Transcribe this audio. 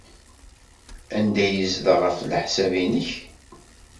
Anda ay yezdeɣ, ɣef leḥsab-nnek?